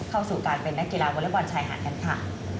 เข้าสู่การเป็นแม่กีฬาวลบอร์ดชายหาดแค่นค่ะ